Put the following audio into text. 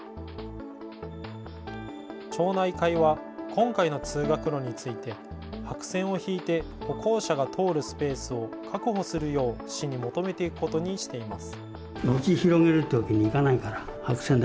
町内会は今回の通学路について白線を引いて歩行者が通るスペースを確保するよう市に求めていくことにしています。